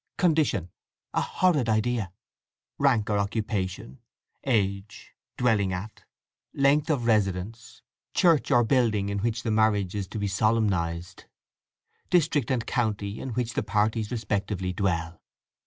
"Condition"—(a horrid idea)—"Rank or Occupation"—"Age"—"Dwelling at"—"Length of Residence"—"Church or Building in which the Marriage is to be solemnized"—"District and County in which the Parties respectively dwell."